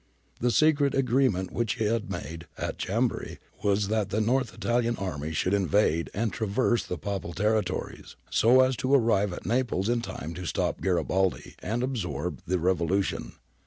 The secret agreement which he had made at Chambery was that the North Italian army should invade and traverse the Papal terri tory, so as to arrive at Naples in time to stop Garibaldi and absorb the revolution.'